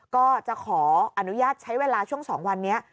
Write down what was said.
ก็จะขออนุญาตใช้เวลาช่วง๒วันนี้